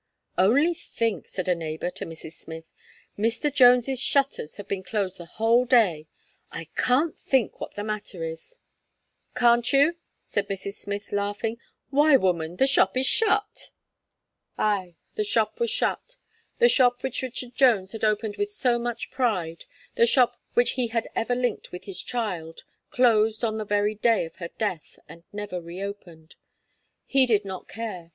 "Only think!" said a neighbour to Mrs. Smith, "Mr. Jones's shutters have been closed the whole day. I can't think what the matter is." "Can't you," replied Mrs. Smith laughing, "why, woman, the shop is shut." Ay, the shop was shut. The shop which Richard Jones had opened with so much pride the shop which he had ever linked with his child, closed on the day of her death, and never reopened. He did not care.